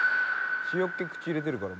「塩っ気口入れてるから」